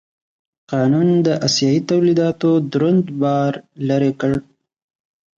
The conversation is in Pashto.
قانون د اسیايي تولیداتو دروند بار لرې کړ.